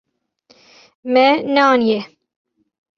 Me neaniye.